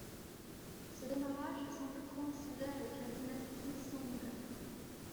Ce démarrage semble coïncider avec la Dynastie Song.